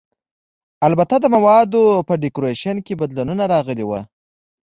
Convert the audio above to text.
البته د موادو په ډیکورېشن کې بدلونونه راغلي ول.